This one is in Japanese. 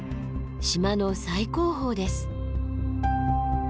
島の最高峰です。